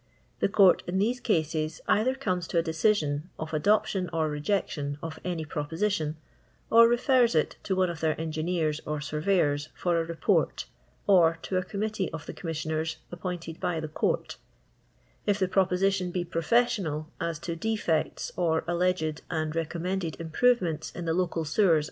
The Court in these cases either cuuies to a decision of adoption or rejection of any proposition, or refers it to one of their engineers or surveyors f<»r a report, or to a committee of the CommisftionerR, appointed by the Court; if the proposition be professional, as to defects, or alleged and recommended improvements in the local •ewers, &c.